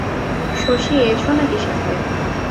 শশী এয়েছ নাকি সাথে?